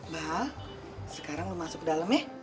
bal sekarang lo masuk dalam